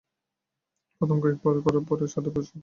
প্রথম কয়েকবার করার পরে সারা শরীরের পেশী ব্যথা হয়ে গিয়েছিল।